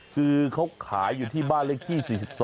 คือเขาขายอยู่ที่บ้านเลขที่๔๒